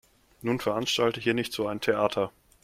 Nun veranstalte hier nicht so ein Theater.